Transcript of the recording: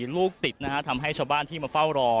ลูกติดนะฮะทำให้ชาวบ้านที่มาเฝ้ารอ